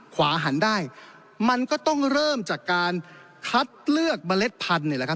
หันได้มันก็ต้องเริ่มจากการคัดเลือกเมล็ดพันธุ์นี่แหละครับ